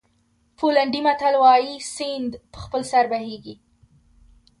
پولنډي متل وایي سیند په خپل سر بهېږي.